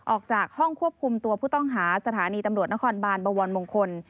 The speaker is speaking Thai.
ออกจากห้องควบคุมตัวผู้ต้องหาสถานีตำรวจนครบานบวรมงคล